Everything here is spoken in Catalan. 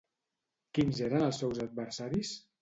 Quins eren els seus adversaris?